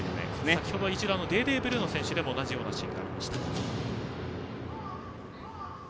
先程デーデー・ブルーノ選手でも同じようなシーンがありました。